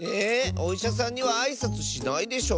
おいしゃさんにはあいさつしないでしょ？